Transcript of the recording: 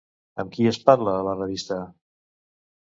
Amb qui es parla a la revista?